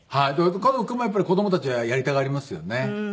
家族もやっぱり子どもたちはやりたがりますよね。